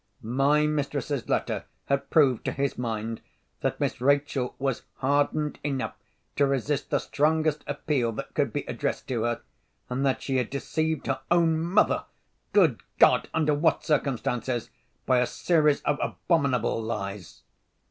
My mistress's letter had proved, to his mind, that Miss Rachel was hardened enough to resist the strongest appeal that could be addressed to her, and that she had deceived her own mother (good God, under what circumstances!) by a series of abominable lies.